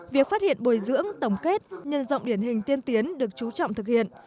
việc phát hiện bồi dưỡng tổng kết nhân rộng điển hình tiên tiến được chú trọng thực hiện